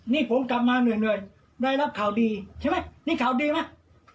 นี่ผมกลับมาเหนื่อยได้รับข่าวดีใช่ไหมนี่ข่าวดีไหม